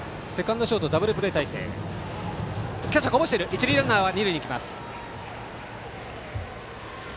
一塁ランナーは二塁へ行きました。